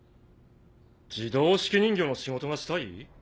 自動手記人形の仕事がしたい？